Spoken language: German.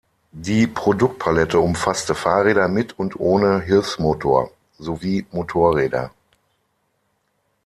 Die Produktpalette umfasste Fahrräder mit und ohne Hilfsmotor, sowie Motorräder.